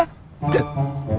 buktinya akur akur aja